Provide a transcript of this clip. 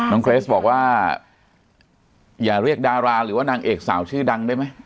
เกรสบอกว่าอย่าเรียกดาราหรือว่านางเอกสาวชื่อดังได้ไหม